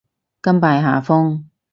甘拜下風